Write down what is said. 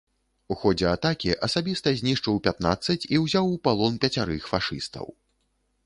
У ходзе атакі асабіста знішчыў пятнаццаць і ўзяў у палон пяцярых фашыстаў.